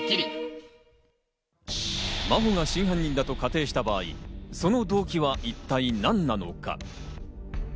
真帆が真犯人だと仮定した場合、その動機は一体何なのか？